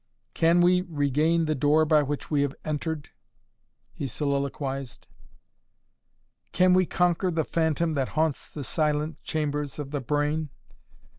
"Can we regain the door by which we have entered?" he soliloquized. "Can we conquer the phantom that haunts the silent chambers of the brain?